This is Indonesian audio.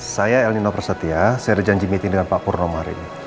saya elnino prasetya saya ada janji meeting dengan pak purnomo hari ini